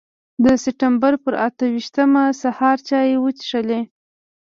د سپټمبر پر اته ویشتمه سهار چای وڅښلې.